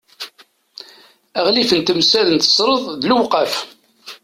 aɣlif n temsal n tesreḍt d lewqaf